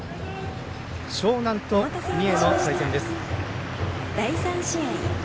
樟南と三重の対戦です。